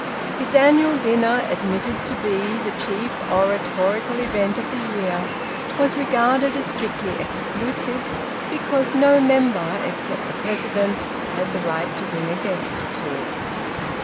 Its annual dinner, admitted to be the chief oratorical event of the year, was regarded as strictly exclusive, because no member, except the president, had the right to bring a guest to it.